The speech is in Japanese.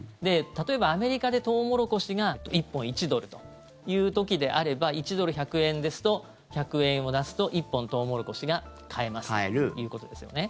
例えばアメリカでトウモロコシが１本１ドルという時であれば１ドル＝１００円ですと１００円を出すと１本トウモロコシが買えますということですよね。